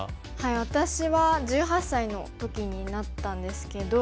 私は１８歳の時になったんですけど。